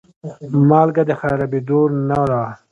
مالګه د خرابېدو نه ده.